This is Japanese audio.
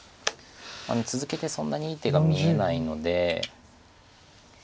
続けてそんなにいい手が見えないので。